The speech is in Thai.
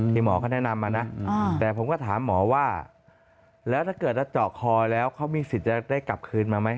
หมอเขาแนะนำมานะแต่ผมก็ถามหมอว่าแล้วถ้าเกิดว่าเจาะคอแล้วเขามีสิทธิ์จะได้กลับคืนมาไหม